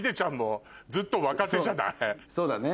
そうだね。